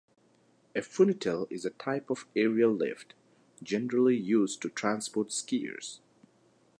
A funitel is a type of aerial lift, generally used to transport skiers.